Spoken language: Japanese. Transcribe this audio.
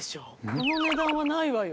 この値段はないわよ。